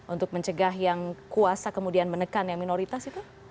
untuk mencegah yang kuasa kemudian menekan yang minoritas itu